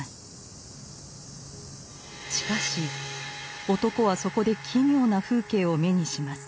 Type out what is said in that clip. しかし男はそこで奇妙な風景を目にします。